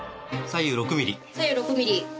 左右６ミリ。